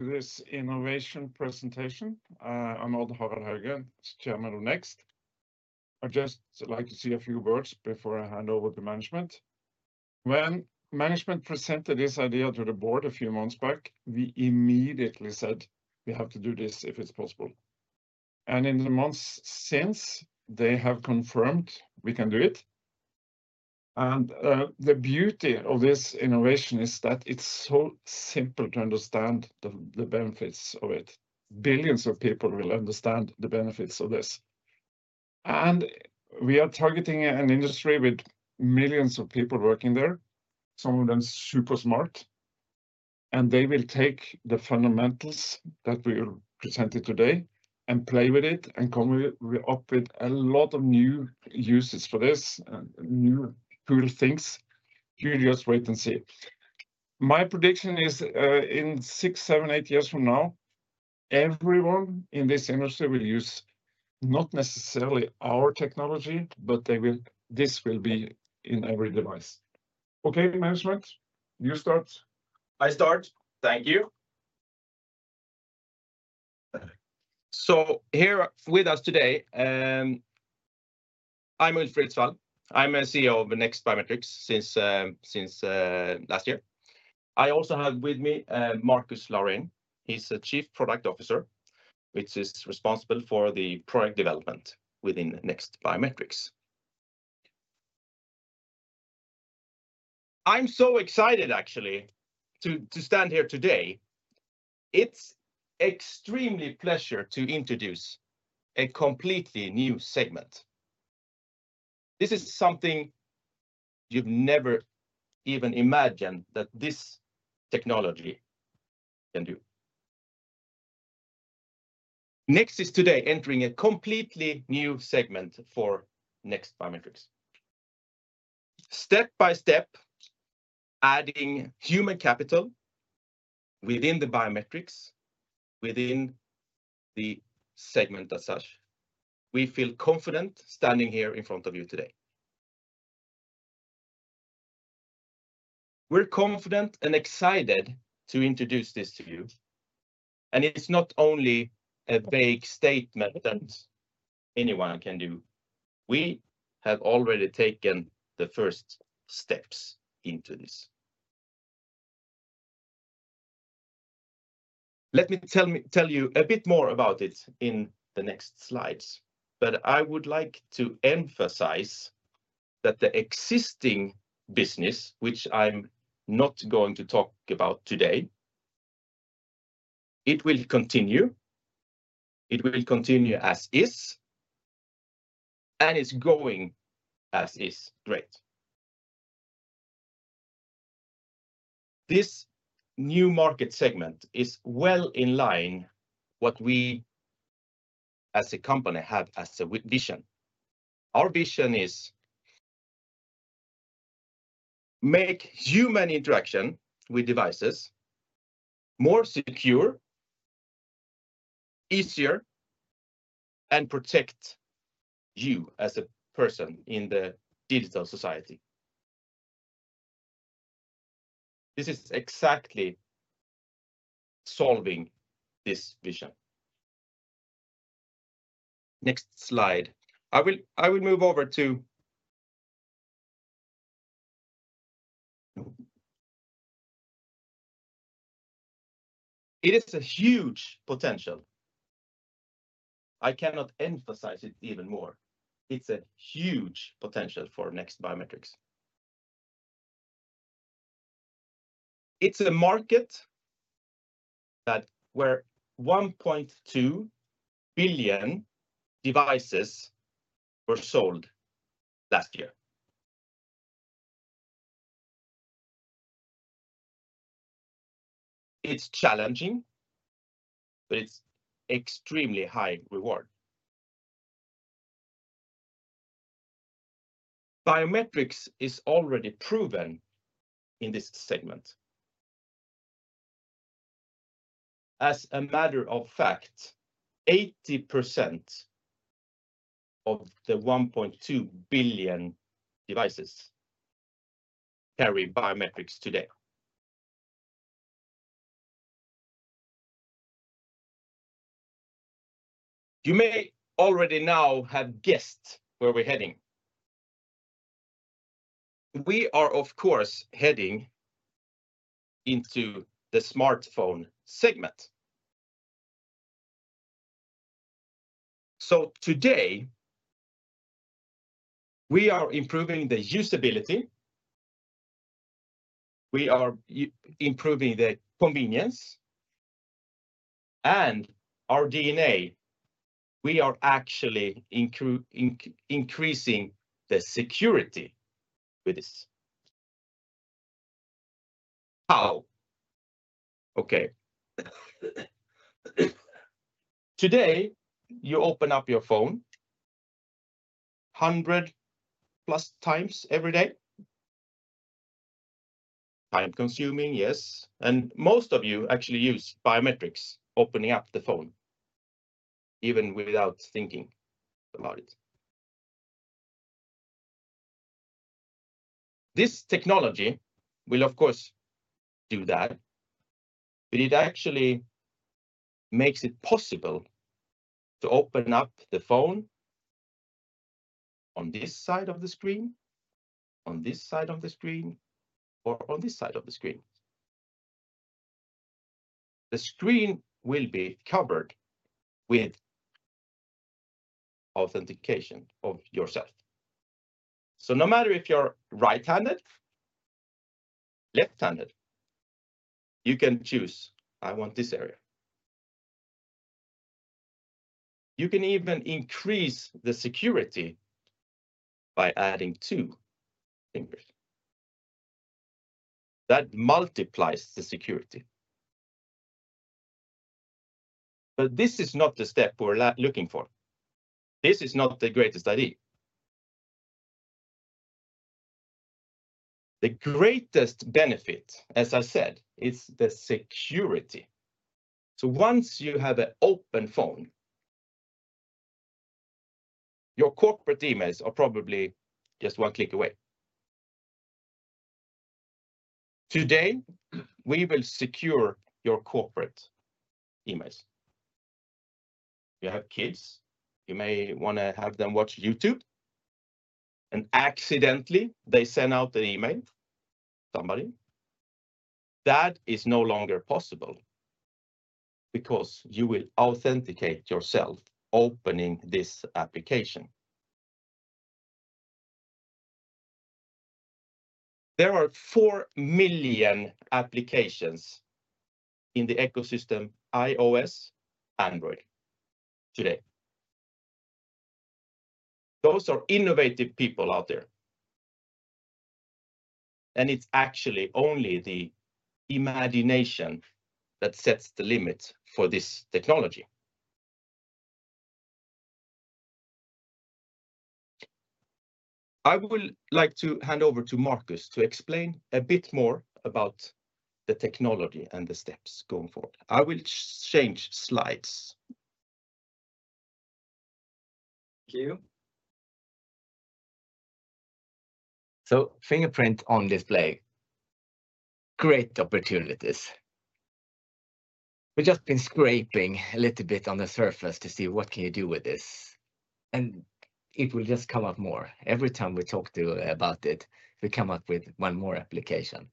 This innovation presentation on Odd-Harald Hauge, it's Chairman of NEXT. I'd just like to say a few words before I hand over to management. When management presented this idea to the board a few months back, we immediately said we have to do this if it's possible, and in the months since, they have confirmed we can do it, and the beauty of this innovation is that it's so simple to understand the benefits of it. Billions of people will understand the benefits of this, and we are targeting an industry with millions of people working there, some of them super smart, and they will take the fundamentals that we will present today and play with it and come up with a lot of new uses for this and new cool things. You just wait and see. My prediction is in six, seven, eight years from now, everyone in this industry will use not necessarily our technology, but this will be in every device. Okay, management, you start. I start. Thank you, so here with us today, I'm Ulf Ritsvall. I'm a CEO of NEXT Biometrics since last year. I also have with me Marcus Lauren. He's a Chief Product Officer, which is responsible for the product development within NEXT Biometrics. I'm so excited, actually, to stand here today. It's an extremely pleasure to introduce a completely new segment. This is something you've never even imagined that this technology can do. NEXT is today entering a completely new segment for NEXT Biometrics. Step by step, adding human capital within the biometrics, within the segment as such. We feel confident standing here in front of you today. We're confident and excited to introduce this to you, and it's not only a vague statement that anyone can do. We have already taken the first steps into this. Let me tell you a bit more about it in the next slides. But I would like to emphasize that the existing business, which I'm not going to talk about today, it will continue. It will continue as is. And it's going as is. Great. This new market segment is well in line with what we as a company have as a vision. Our vision is to make human interaction with devices more secure, easier, and protect you as a person in the digital society. This is exactly solving this vision. Next slide. I will move over to... It is a huge potential. I cannot emphasize it even more. It's a huge potential for NEXT Biometrics. It's a market where 1.2 billion devices were sold last year. It's challenging, but it's extremely high reward. Biometrics is already proven in this segment. As a matter of fact, 80% of the 1.2 billion devices carry biometrics today. You may already know have guessed where we're heading. We are, of course, heading into the smartphone segment. So today, we are improving the usability. We are improving the convenience. And our DNA, we are actually increasing the security with this. How? Okay. Today, you open up your phone 100 plus times every day. Time-consuming, yes. And most of you actually use biometrics opening up the phone, even without thinking about it. This technology will, of course, do that. But it actually makes it possible to open up the phone on this side of the screen, on this side of the screen, or on this side of the screen. The screen will be covered with authentication of yourself. So no matter if you're right-handed, left-handed, you can choose, "I want this area." You can even increase the security by adding two fingers. That multiplies the security. But this is not the step we're looking for. This is not the greatest idea. The greatest benefit, as I said, is the Security. So once you have an open phone, your corporate emails are probably just one click away. Today, we will secure your corporate emails. You have kids. You may want to have them watch YouTube. And accidentally, they send out an email, somebody. That is no longer possible because you will authenticate yourself opening this application. There are four million applications in the ecosystem iOS, Android today. Those are innovative people out there. And it's actually only the imagination that sets the limit for this technology. I would like to hand over to Marcus to explain a bit more about the technology and the steps going forward. I will change slides. Thank you. So fingerprint on display. Great opportunities. We've just been scraping a little bit on the surface to see what can you do with this. And it will just come up more. Every time we talk to you about it, we come up with one more application.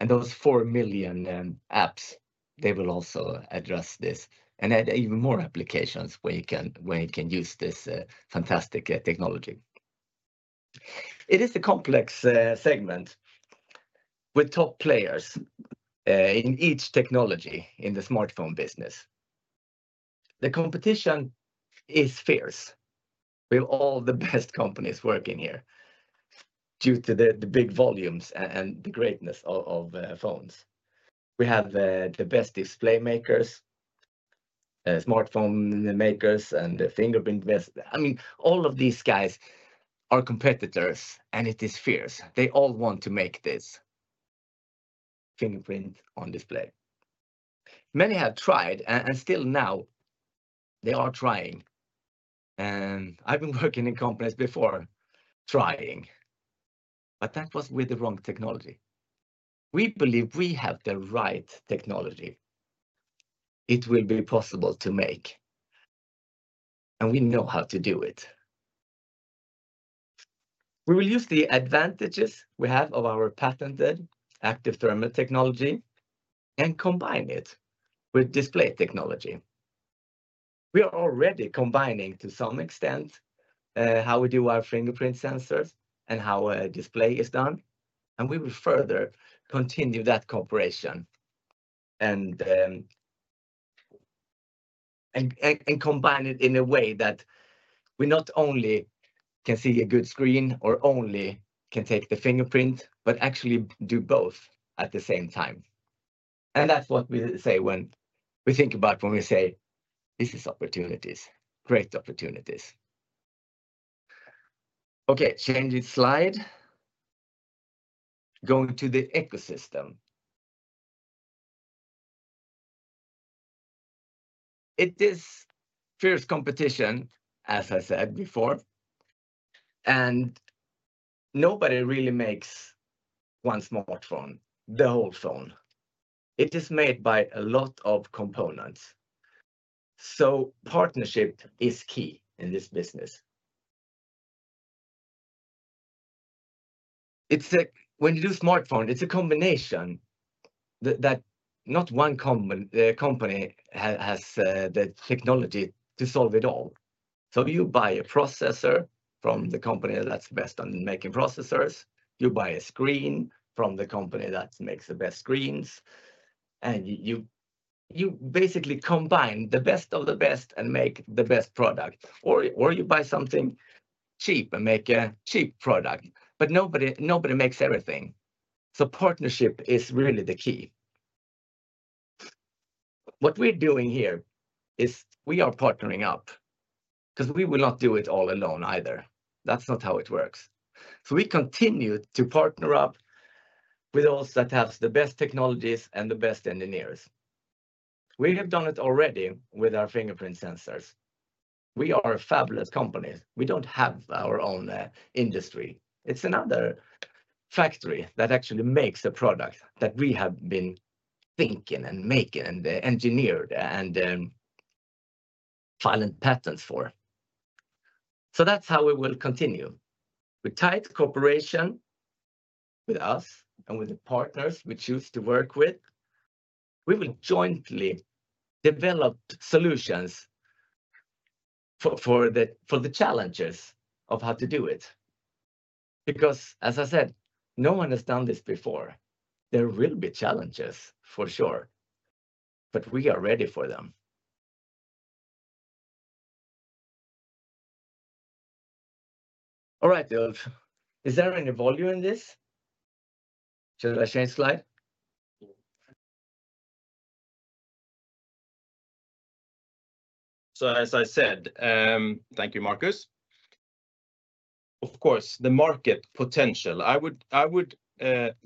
And those four million apps, they will also address this and add even more applications where you can use this fantastic technology. It is a complex segment with top players in each technology in the Smartphone business. The competition is fierce with all the best companies working here due to the big volumes and the greatness of phones. We have the best display makers, smartphone makers, and fingerprint. I mean, all of these guys are competitors, and it is fierce. They all want to make this fingerprint on display. Many have tried, and still now they are trying. I've been working in companies before trying, but that was with the wrong technology. We believe we have the right technology. It will be possible to make, and we know how to do it. We will use the advantages we have of our patented Active Thermal Technology and combine it with display technology. We are already combining, to some extent, how we do our fingerprint sensors and how a display is done. We will further continue that cooperation and combine it in a way that we not only can see a good screen or only can take the fingerprint, but actually do both at the same time. That's what we say when we think about when we say, "This is opportunities, great opportunities." Okay, changing slide. Going to the Ecosystem. It is fierce competition, as I said before. Nobody really makes one smartphone, the whole phone. It is made by a lot of components, so partnership is key in this business. When you do smartphone, it's a combination that not one company has the technology to solve it all, so you buy a processor from the company that's best on making processors. You buy a screen from the company that makes the best screens, and you basically combine the best of the best and make the best product, or you buy something cheap and make a cheap product, but nobody makes everything, so partnership is really the key. What we're doing here is we are partnering up because we will not do it all alone either. That's not how it works, so we continue to partner up with those that have the best technologies and the best engineers. We have done it already with our fingerprint sensors. We are a fabulous company. We don't have our own industry. It's another factory that actually makes a product that we have been thinking and making and engineered and filing patents for. So that's how we will continue. With tight cooperation with us and with the partners we choose to work with, we will jointly develop solutions for the challenges of how to do it. Because, as I said, no one has done this before. There will be challenges for sure, but we are ready for them. All right, Ulf. Is there any volume in this? Should I change slide? So, as I said, thank you, Marcus. Of course, the market potential, I would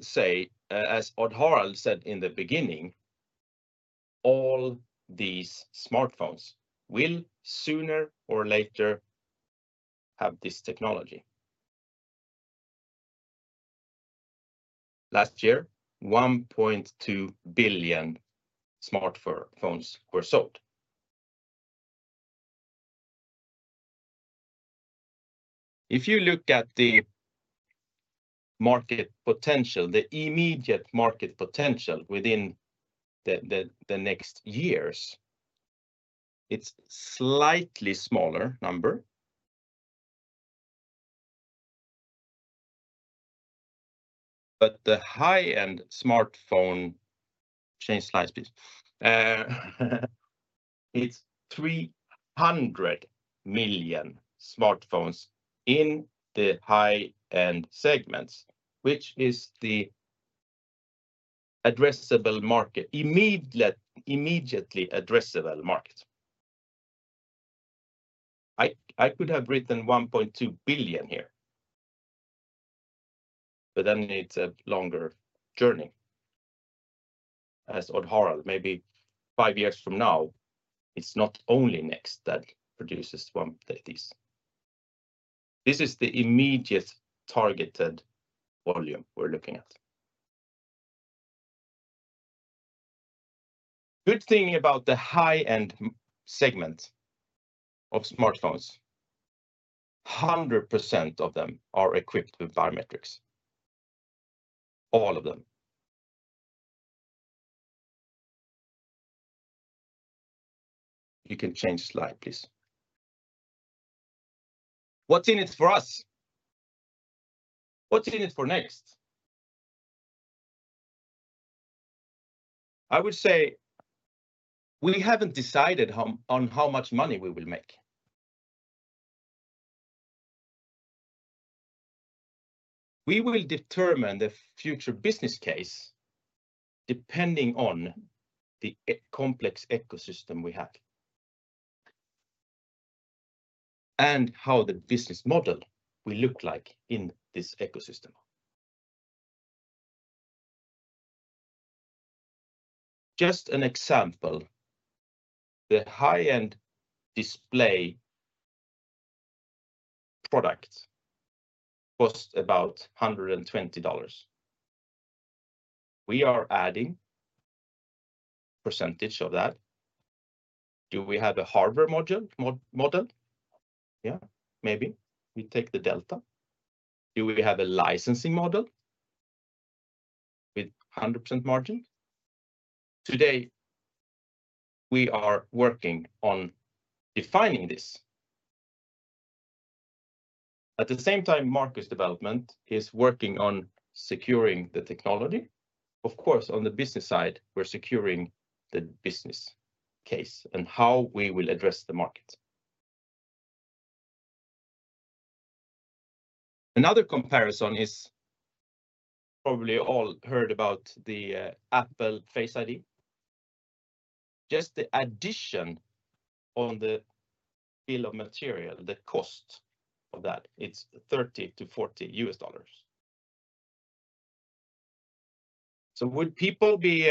say, as Odd-Harald said in the beginning, all these smartphones will sooner or later have this technology. Last year, 1.2 billion smartphones were sold. If you look at the market potential, the immediate market potential within the next years, it's a slightly smaller number. But the high-end smartphone. Change slide please. It's 300 million smartphones in the high-end segments, which is the immediately addressable market. I could have written 1.2 billion here, but then it's a longer journey. As Odd-Harald, maybe five years from now, it's not only NEXT that produces one of these. This is the immediate targeted volume we're looking at. Good thing about the high-end segment of smartphones, 100% of them are equipped with biometrics. All of them. You can change slide, please. What's in it for us? What's in it for NEXT? I would say we haven't decided on how much money we will make. We will determine the future business case depending on the complex ecosystem we have and how the business model will look like in this ecosystem. Just an example, the high-end display product costs about $120. We are adding a percentage of that. Do we have a hardware model? Yeah, maybe. We take the delta. Do we have a licensing model with 100% margin? Today, we are working on defining this. At the same time, Marcus Development is working on securing the technology. Of course, on the business side, we're securing the business case and how we will address the market. Another comparison is probably all heard about the Apple Face ID. Just the addition on the bill of material, the cost of that, it's $30-$40. So would people be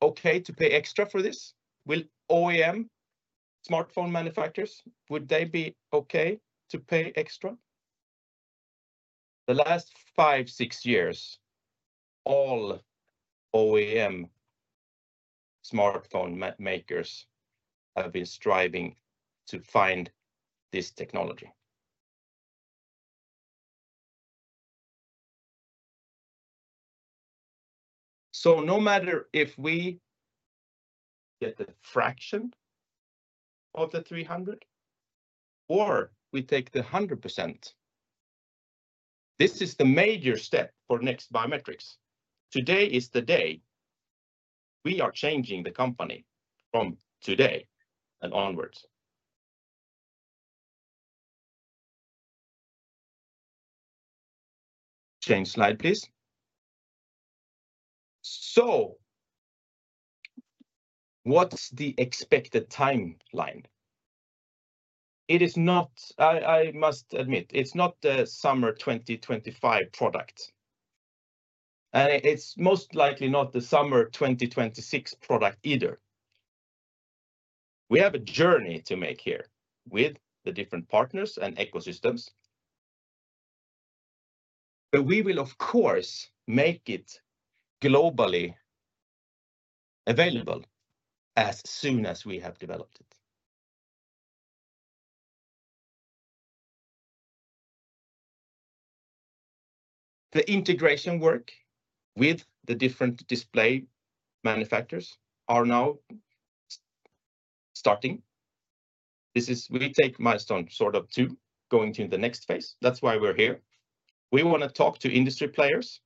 okay to pay extra for this? Will OEM smartphone manufacturers, would they be okay to pay extra? The last five, six years, all OEM smartphone makers have been striving to find this technology. So no matter if we get the fraction of the 300 or we take the 100%, this is the major step for NEXT Biometrics. Today is the day we are changing the company from today and onwards. Change slide, please. So what's the expected timeline? I must admit, it's not the Summer 2025 product. And it's most likely not the Summer 2026 product either. We have a journey to make here with the different partners and ecosystems. But we will, of course, make it globally available as soon as we have developed it. The integration work with the different display manufacturers is now starting. We take milestone sort of two going to the next phase. That's why we're here. We want to talk to industry players.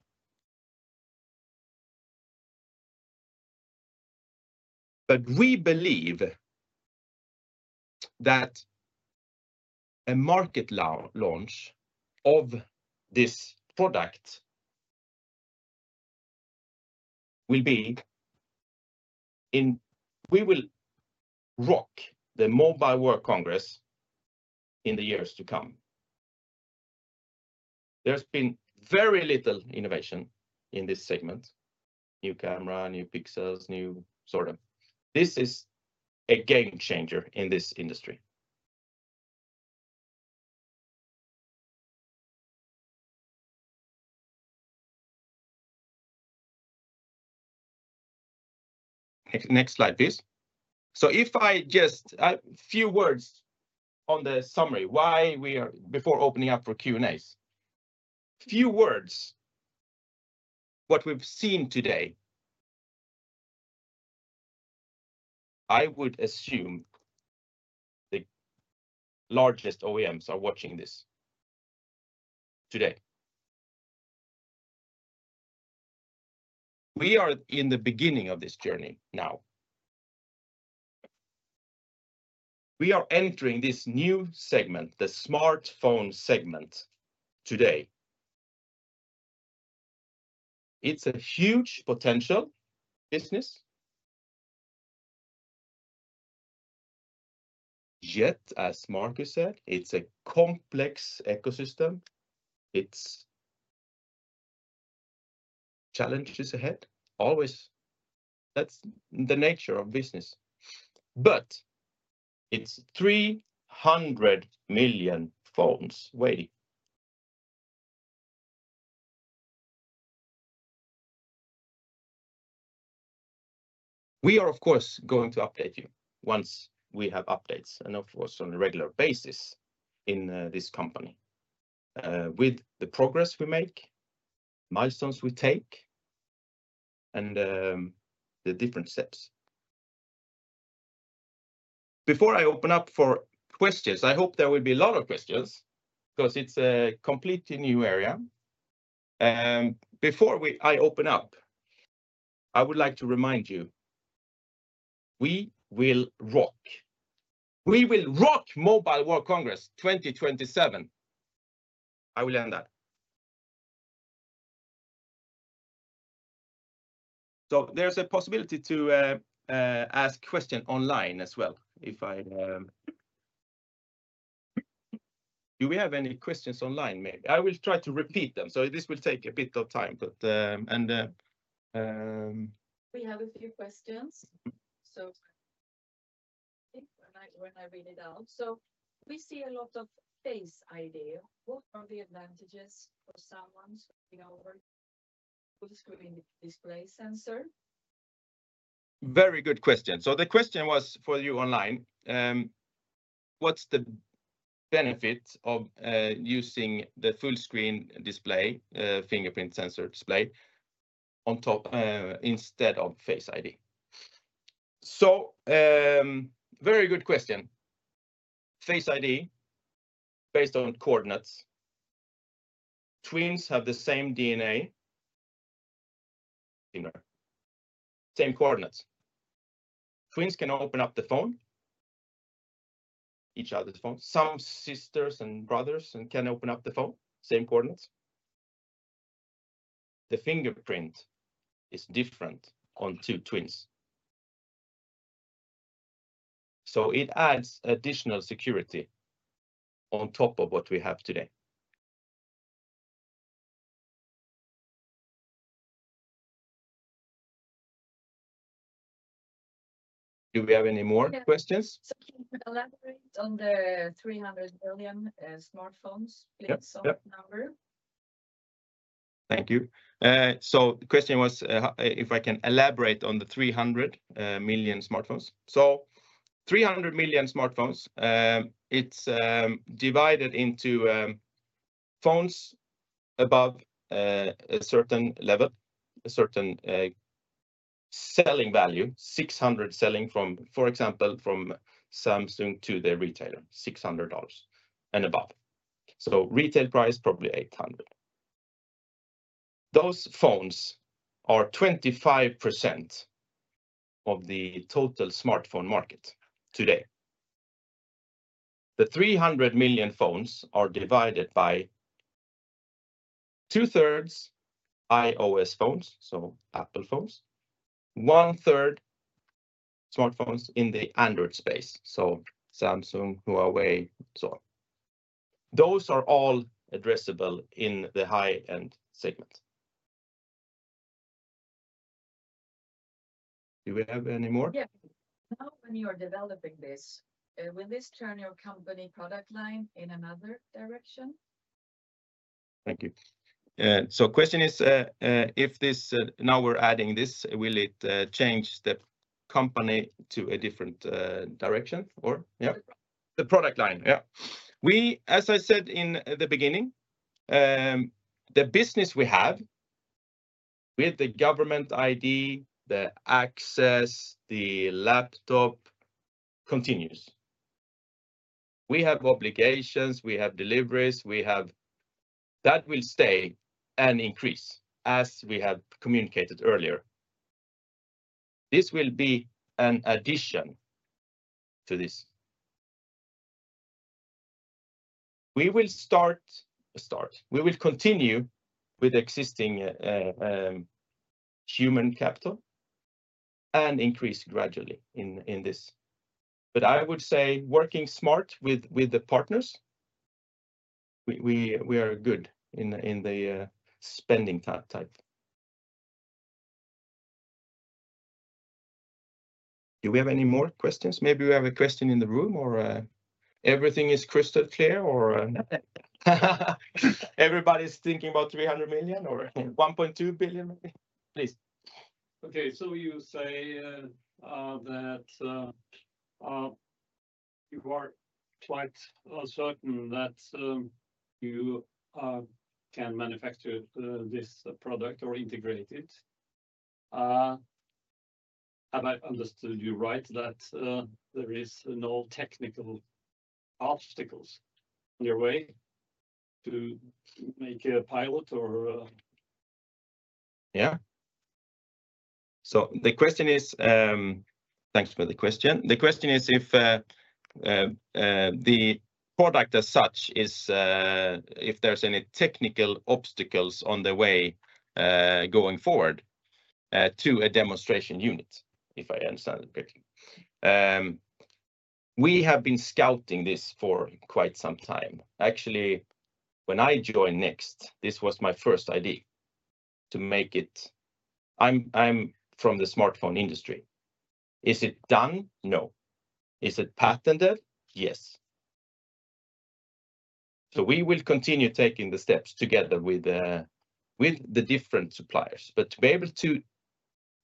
But we believe that a market launch of this product will be in. We will rock the Mobile World Congress in the years to come. There's been very little innovation in this segment. New camera, new pixels, new sort of. This is a game changer in this industry. Next slide, please. So, in just a few words on the summary, why we're here before opening up for Q&As. A few words on what we've seen today. I would assume the largest OEMs are watching this today. We are in the beginning of this journey now. We are entering this new segment, the Smartphone segment today. It's a huge potential business. Yet, as Marcus said, it's a complex ecosystem. There are challenges ahead. Always. That's the nature of business. But it's 300 million phones waiting. We are, of course, going to update you once we have updates and, of course, on a regular basis in this company with the progress we make, milestones we take, and the different steps. Before I open up for questions, I hope there will be a lot of questions because it's a completely new area. Before I open up, I would like to remind you, we will rock. We will rock Mobile World Congress 2027. I will end that. So there's a possibility to ask a question online as well. Do we have any questions online? Maybe. I will try to repeat them. So this will take a bit of time, but. We have a few questions. So when I read it out, so we see a lot of Face ID. What are the advantages for someone screening over full screen display sensor? Very good question. So the question was for you online. What's the benefit of using the full screen display, fingerprint sensor display instead of Face ID? So very good question. Face ID based on coordinates. Twins have the same DNA, same coordinates. Twins can open up the phone, each other's phone. Some sisters and brothers can open up the phone, same coordinates. The fingerprint is different on two twins. So it adds additional security on top of what we have today. Do we have any more questions? So can you elaborate on the 300 million smartphones, please, on that number? Thank you. So the question was if I can elaborate on the 300 million smartphones. So 300 million smartphones, it's divided into phones above a certain level, a certain selling value, $600 selling from, for example, from Samsung to the retailer, $600 and above. So retail price probably $800. Those phones are 25% of the total smartphone market today. The 300 million phones are divided by two-thirds iOS phones, so Apple phones, one-third smartphones in the Android space, so Samsung, Huawei, and so on. Those are all addressable in the high-end segment. Do we have any more? Yeah. Now, when you are developing this, will this turn your company product line in another direction? Thank you. So the question is if this now we're adding this, will it change the company to a different direction or yeah? The product line, yeah. As I said in the beginning, the business we have with the government ID, the access, the laptop continues. We have obligations, we have deliveries, we have that will stay and increase as we have communicated earlier. This will be an addition to this. We will start, we will continue with existing human capital and increase gradually in this. But I would say working smart with the partners, we are good in the spending type. Do we have any more questions? Maybe we have a question in the room or everything is crystal clear or everybody's thinking about $300 million or $1.2 billion, please. Okay. So you say that you are quite certain that you can manufacture this product or integrate it. Have I understood you right that there are no technical obstacles in your way to make a pilot or? Yeah. So the question is, thanks for the question. The question is if the product as such is, if there's any technical obstacles on the way going forward to a demonstration unit, if I understand it correctly. We have been scouting this for quite some time. Actually, when I joined NEXT, this was my first idea to make it. I'm from the smartphone industry. Is it done? No. Is it patented? Yes. So we will continue taking the steps together with the different suppliers. But to be able to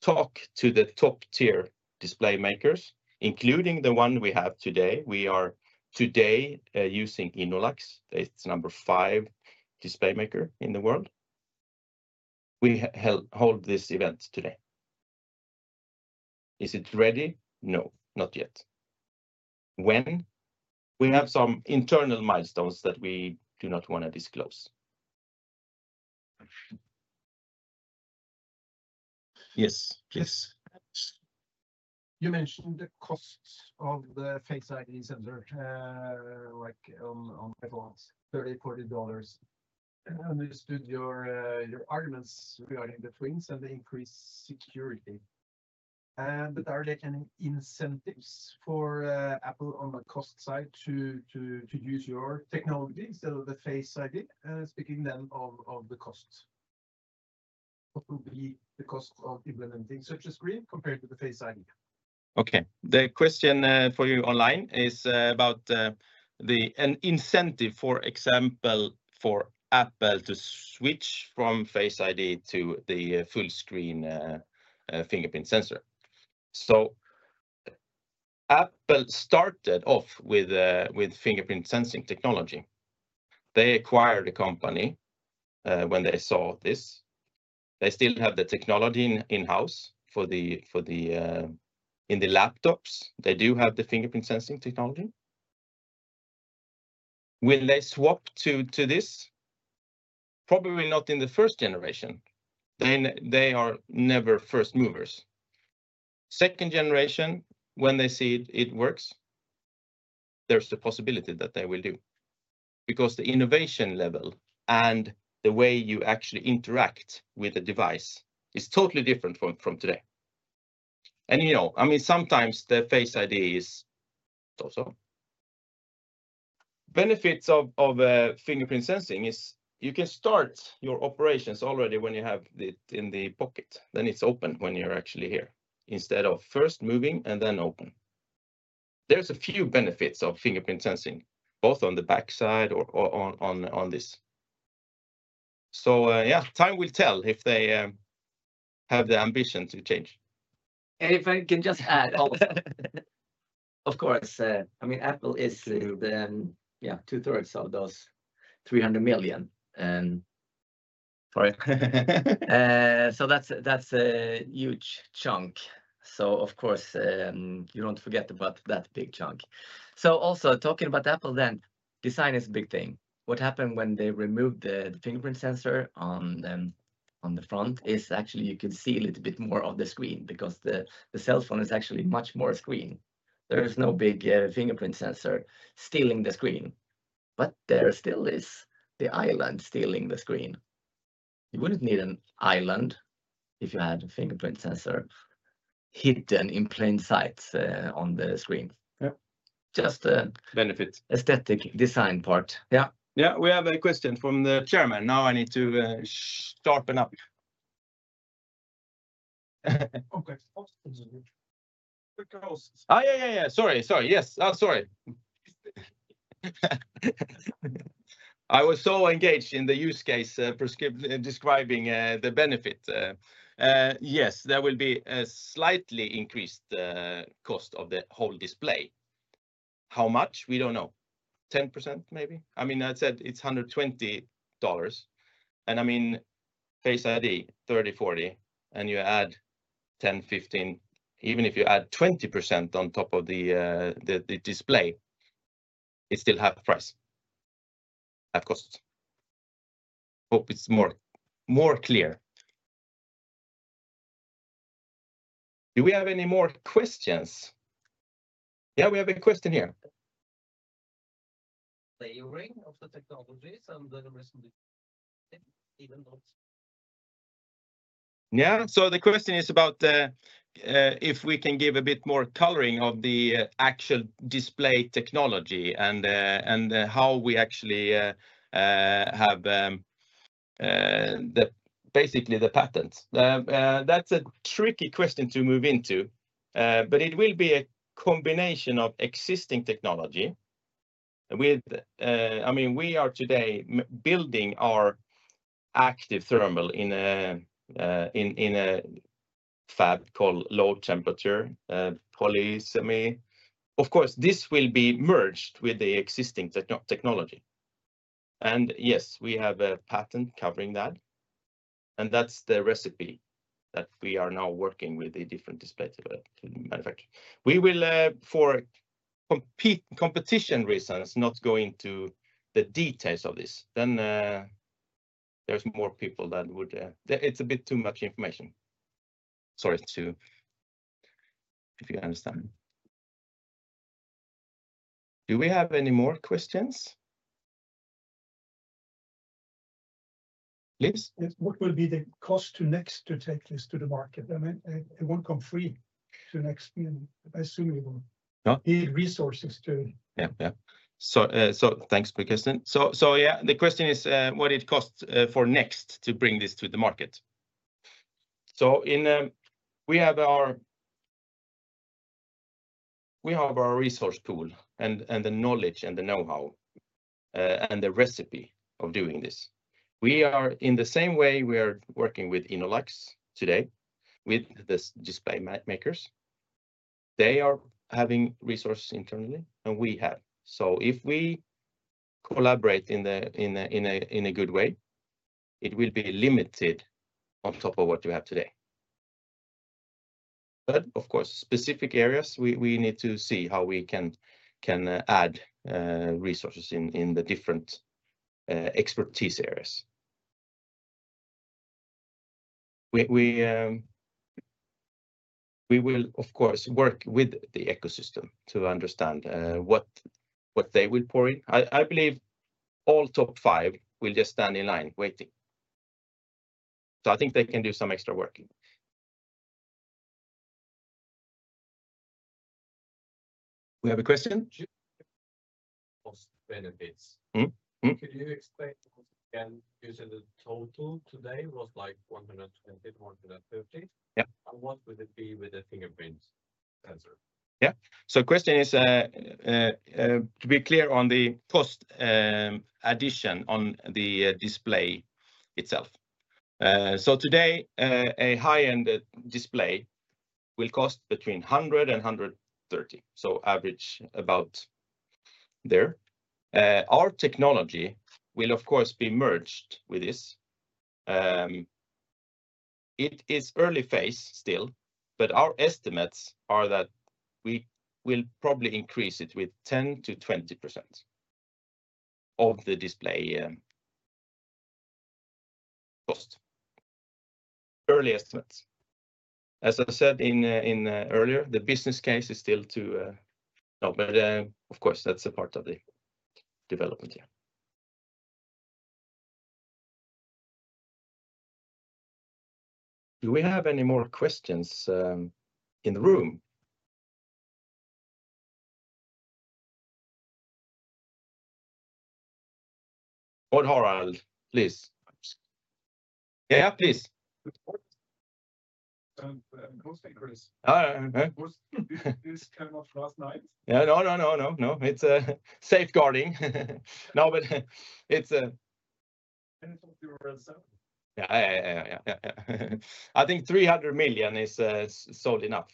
talk to the top-tier display makers, including the one we have today, we are today using Innolux. It's number five display maker in the world. We hold this event today. Is it ready? No, not yet. When? We have some internal milestones that we do not want to disclose. Yes, please. You mentioned the cost of the Face ID sensor, like on performance, $30, $40. I understood your arguments regarding the twins and the increased security. But are there any incentives for Apple on the cost side to use your technology instead of the Face ID? Speaking then of the cost. What will be the cost of implementing such a screen compared to the Face ID? Okay. The question for you online is about an incentive, for example, for Apple to switch from Face ID to the full-screen fingerprint sensor. So Apple started off with fingerprint sensing technology. They acquired a company when they saw this. They still have the technology in-house for the laptops. They do have the fingerprint sensing technology. When they swap to this, probably not in the first generation, then they are never first movers. Second generation, when they see it works, there's a possibility that they will do. Because the innovation level and the way you actually interact with the device is totally different from today. And I mean, sometimes the Face ID is also. Benefits of fingerprint sensing is you can start your operations already when you have it in the pocket. Then it's open when you're actually here instead of Face ID moving and then open. There's a few benefits of fingerprint sensing, both on the backside or on this. So yeah, time will tell if they have the ambition to change. If I can just add, of course, I mean, Apple is two-thirds of those 300 million. Sorry. So that's a huge chunk. So of course, you don't forget about that big chunk. So also talking about Apple then, design is a big thing. What happened when they removed the fingerprint sensor on the front is actually you can see a little bit more of the screen because the cell phone is actually much more screen. There is no big fingerprint sensor stealing the screen. But there still is the island stealing the screen. You wouldn't need an island if you had a fingerprint sensor hidden in plain sight on the screen. Just aesthetic design part. Yeah. Yeah. We have a question from the chairman. Now I need to sharpen up. Okay. Yeah. Sorry. Yes, sorry. I was so engaged in the use case describing the benefit. Yes, there will be a slightly increased cost of the whole display. How much? We don't know. 10% maybe. I mean, I said it's $120. And I mean, Face ID $30, $40, and you add 10, 15, even if you add 20% on top of the display, it still has price, has cost. Hope it's more clear. Do we have any more questions? Yeah, we have a question here. Layering of the technologies and the recent development, even though it's? Yeah, so the question is about if we can give a bit more coloring of the actual display technology and how we actually have basically the patents. That's a tricky question to move into. But it will be a combination of existing technology with, I mean, we are today building our active thermal in a fab called low-temperature polysilicon. Of course, this will be merged with the existing technology. And yes, we have a patent covering that. And that's the recipe that we are now working with the different display manufacturers. We will, for competition reasons, not go into the details of this. Then there's more people that would, it's a bit too much information. Sorry. Too, if you understand. Do we have any more questions? Liz? What will be the cost to NEXT to take this to the market? I mean, it won't come free to NEXT, I assume it will need resources to. Yeah, yeah. So thanks for the question. So yeah, the question is, what it costs for NEXT to bring this to the market? So we have our resource pool and the knowledge and the know-how and the recipe of doing this. We are in the same way we are working with Innolux today with the display makers. They are having resources internally and we have. So if we collaborate in a good way, it will be limited on top of what you have today. But of course, specific areas, we need to see how we can add resources in the different expertise areas. We will, of course, work with the ecosystem to understand what they will pour in. I believe all top five will just stand in line waiting. So I think they can do some extra work. We have a question? Cost benefits. Could you explain once again because the total today was like 120-130? Yeah. What will it be with the fingerprint sensor? Yeah. So the question is to be clear on the cost addition on the display itself. So today, a high-end display will cost between $100 and $130. So average about there. Our technology will, of course, be merged with this. It is early phase still, but our estimates are that we will probably increase it with 10%-20% of the display cost. Early estimates. As I said earlier, the business case is still to, but of course, that's a part of the development here. Do we have any more questions in the room? Odd Harald, please. Yeah, please. I'm hosting for this. This came up last night. Yeah. No, no, no, no, no. It's safeguarding. No, but it's. It's up to yourself. Yeah, yeah, yeah, yeah, yeah. I think 300 million is solid enough,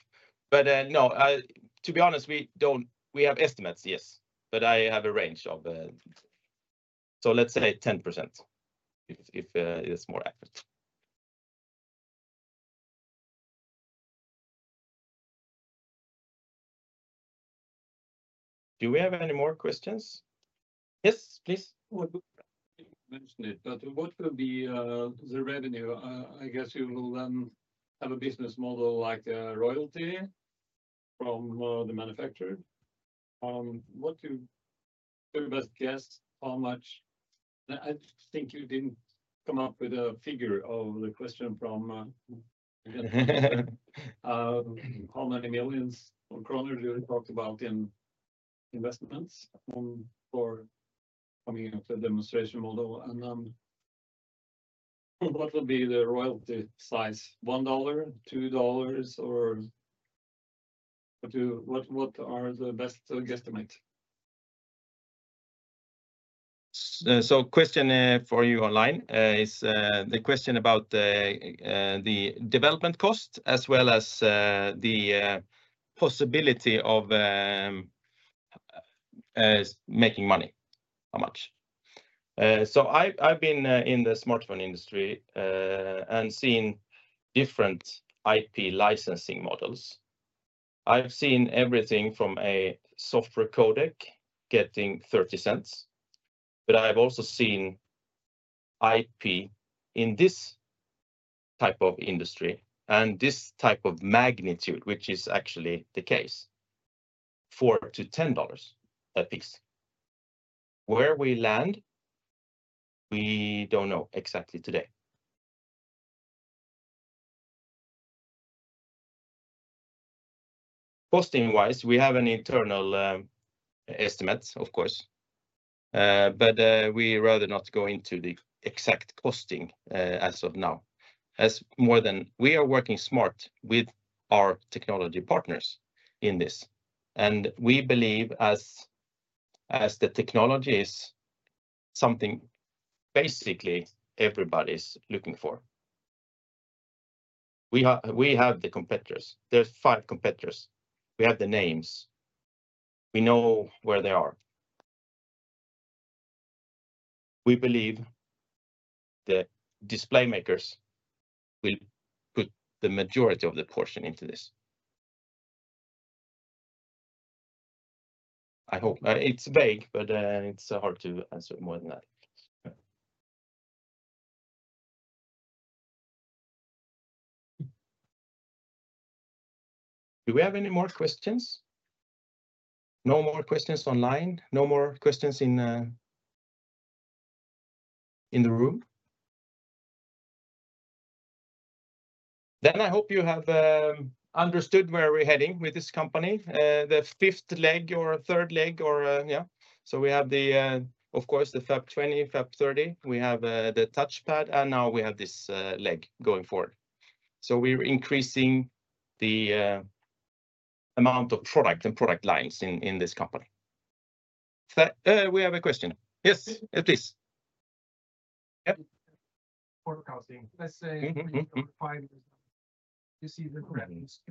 but no, to be honest, we have estimates, yes, but I have a range of, so let's say 10% if it's more accurate. Do we have any more questions? Yes, please. You mentioned it, but what will be the revenue? I guess you will then have a business model like royalty from the manufacturer. What's your best guess? How much? I think you didn't come up with a figure of the question from. How many millions of kroner do you talk about in investments for coming up with a demonstration model? And what will be the royalty size? $1, $2, or what are the best guesstimates? Question for you online is the question about the development cost as well as the possibility of making money, how much. I've been in the smartphone industry and seen different IP licensing models. I've seen everything from a software codec getting $0.30. But I've also seen IP in this type of industry and this type of magnitude, which is actually the case, $4-$10 that peaks. Where we land, we don't know exactly today. Costing-wise, we have an internal estimate, of course. But we'd rather not go into the exact costing as of now. As more than we are working smart with our technology partners in this. And we believe as the technology is something basically everybody's looking for. We have the competitors. There's five competitors. We have the names. We know where they are. We believe the display makers will put the majority of the portion into this. I hope. It's vague, but it's hard to answer more than that. Do we have any more questions? No more questions online? No more questions in the room? Then I hope you have understood where we're heading with this company. The fifth leg or third leg or yeah. So we have the, of course, the FAP 20, FAP 30. We have the touchpad, and now we have this leg going forward. So we're increasing the amount of product and product lines in this company. We have a question. Yes, please. Forecasting. Let's say over five years, you see the revenues.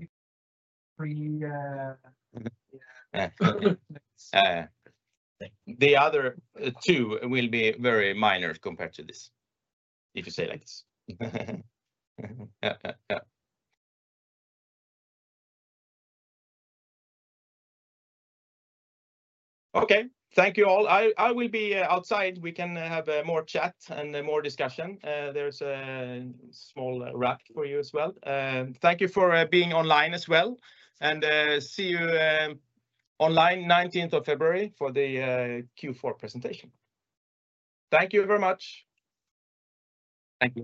The other two will be very minor compared to this, if you say like this. Yeah, yeah, yeah. Okay. Thank you all. I will be outside. We can have more chat and more discussion. There's a small wrap for you as well. Thank you for being online as well, and see you online on 19th of February for the Q4 presentation. Thank you very much. Thank you.